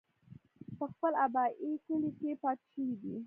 پۀ خپل ابائي کلي کښې پاتې شوے دے ۔